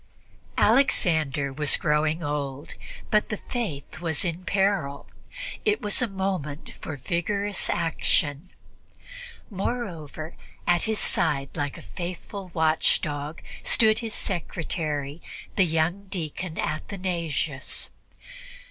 Alexander was growing old, but the Faith was in peril; it was a moment for vigorous action. Moreover, at his side, like a faithful watchdog, stood his secretary, the young deacon Athanasius.